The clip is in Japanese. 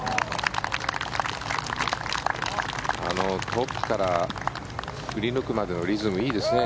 トップから振り抜くまでのリズムいいですね。